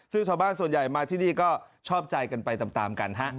ซึ่งชาวบ้านส่วนใหญ่มาที่นี่ก็ชอบใจกันไปตามกันฮะ